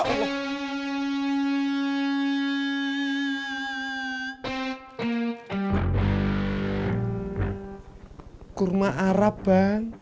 kurma arab bang